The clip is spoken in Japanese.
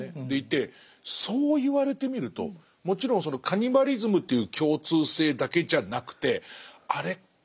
でいてそう言われてみるともちろんそのカニバリズムという共通性だけじゃなくてあれっ？